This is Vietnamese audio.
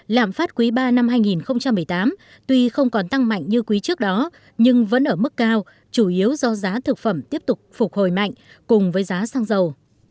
lạm phát quý ba năm hai nghìn một mươi tám tuy không còn tăng mạnh như quý trước đó nhưng vẫn ở mức cao chủ yếu do giá thực phẩm tiếp tục phục hồi mạnh cùng với giá xăng dầu